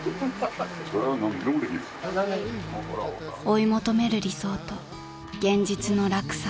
［追い求める理想と現実の落差］